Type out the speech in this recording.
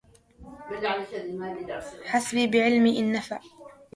حسبي بعلمي إن نفع